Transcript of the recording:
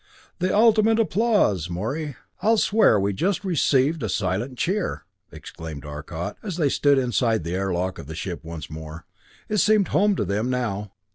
"The ultimate in applause! Morey, I'll swear we just received a silent cheer!" exclaimed Arcot, as they stood inside the airlock of the ship once more. It seemed home to them now!